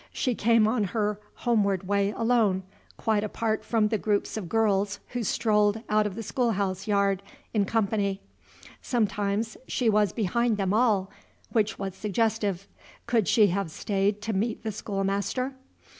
She came on her homeward way alone, quite apart from the groups of girls who strolled out of the schoolhouse yard in company. Sometimes she was behind them all, which was suggestive. Could she have stayed to meet the schoolmaster?